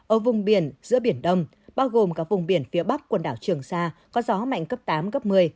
ở vùng biển giữa biển đông bao gồm cả vùng biển phía bắc quần đảo trường sa có gió mạnh cấp tám cấp một mươi